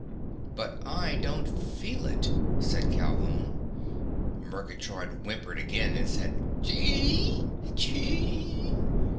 "But I don't feel it!" said Calhoun. Murgatroyd whimpered again and said, "Chee chee!"